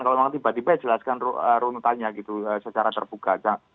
kalau memang tiba tiba jelaskan runutannya gitu secara terbuka